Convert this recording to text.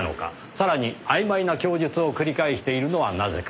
さらにあいまいな供述を繰り返しているのはなぜか。